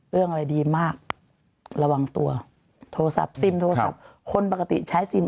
เรื่องอะไรดีมากระวังตัวโทรศัพท์ซิมโทรศัพท์คนปกติใช้ซิม